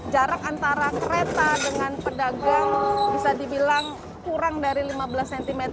jarak antara kereta dengan pedagang bisa dibilang kurang dari lima belas cm